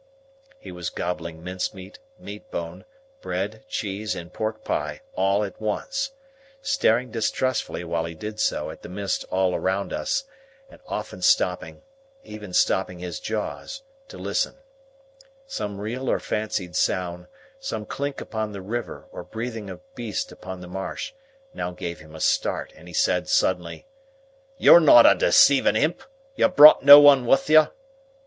He was gobbling mincemeat, meatbone, bread, cheese, and pork pie, all at once: staring distrustfully while he did so at the mist all round us, and often stopping—even stopping his jaws—to listen. Some real or fancied sound, some clink upon the river or breathing of beast upon the marsh, now gave him a start, and he said, suddenly,— "You're not a deceiving imp? You brought no one with you?"